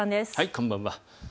こんばんは。